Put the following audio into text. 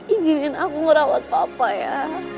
injilin aku ngerawat papa ya